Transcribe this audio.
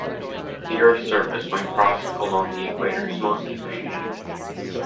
The earth’s surface, when crossed along the Equator, is mostly oceanic.